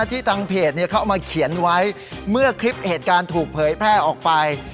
ที่ทางเพจเขาเอามาเขียนไว้เมื่อคลิปเหตุการณ์ถูกเผยแพร่ออกไป